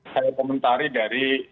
saya komentari dari